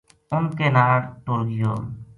ان کے نال ٹر گیو